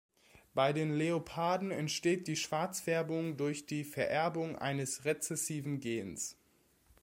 Bei den Leoparden entsteht die Schwarzfärbung durch die Vererbung eines rezessiven Gens.